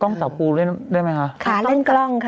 กล้องสาวครูเล่นได้ไหมคะค่ะเล่นกล้องค่ะ